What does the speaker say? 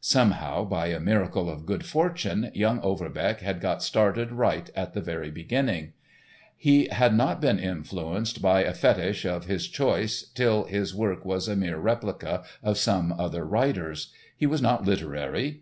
Somehow, by a miracle of good fortune, young Overbeck had got started right at the very beginning. He had not been influenced by a fetich of his choice till his work was a mere replica of some other writer's. He was not literary.